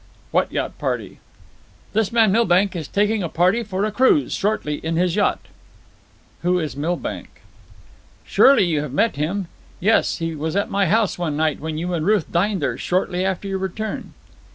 "What yacht party?" "This man Milbank is taking a party for a cruise shortly in his yacht." "Who is Milbank?" "Surely you have met him? Yes, he was at my house one night when you and Ruth dined there shortly after your return."